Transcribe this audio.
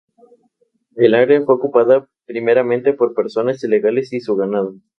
Como su nombre indica, era un arma de cuchilla afilada, de origen sajón.